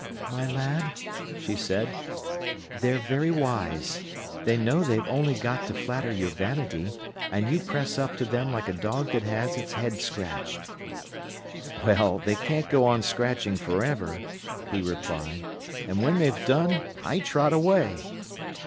"My lad," she said, "they're very wise. They know they've only got to flatter your vanity, and you press up to them like a dog that has its head scratched." "Well, they can't go on scratching for ever," he replied. "And when they've done, I trot away."